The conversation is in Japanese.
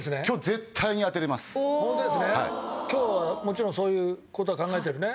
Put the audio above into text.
今日はもちろんそういう事は考えてるね？